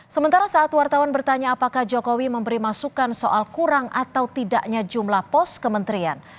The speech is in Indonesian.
sementara saat wartawan bertanya apakah jokowi memberi masukan soal kurang atau tidaknya jumlah pos kementerian